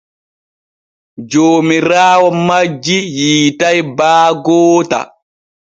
Joomiraawo majji yiitay baa goota.